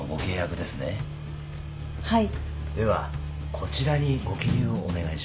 こちらにご記入をお願いします